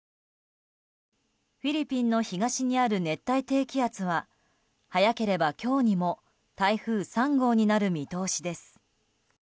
フィリピンの東にある熱帯低気圧は早ければ今日にも台風３号になる見通しです。